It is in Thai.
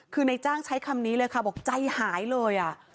คือในจ้างใช้คำนี้เลยค่ะบอกใจหายเลย